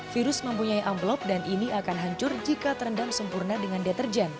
virus mempunyai amplop dan ini akan hancur jika terendam sempurna dengan deterjen